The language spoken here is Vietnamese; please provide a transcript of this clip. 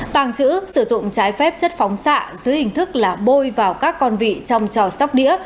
tàng trữ sử dụng trái phép chất phóng xạ dưới hình thức là bôi vào các con vị trong trò sóc đĩa